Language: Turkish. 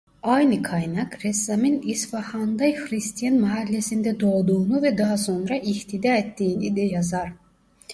Aynı kaynak ressamın İsfahan'da Hristiyan mahallesinde doğduğunu ve daha sonra ihtida ettiğini de yazar.